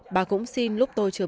bà cũng xin lúc tôi trước